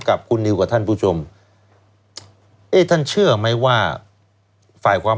กับคุณนิวกับท่านผู้ชมเอ๊ะท่านเชื่อไหมว่าฝ่ายความ